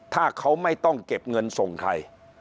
ถ้าเขาไม่ต้องเก็บเงินส่งใคร